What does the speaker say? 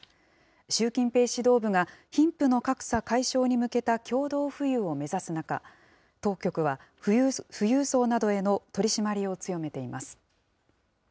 習近平指導部が貧富の格差解消に向けた共同富裕を目指す中、当局は富裕層などへの取締りを強めています。